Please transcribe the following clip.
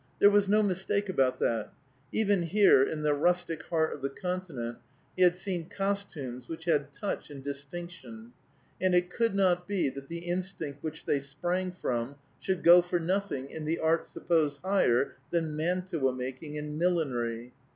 There was no mistake about that; even here, in the rustic heart of the continent he had seen costumes which had touch and distinction; and it could not be that the instinct which they sprang from should go for nothing in the arts supposed higher than mantua making and millinery.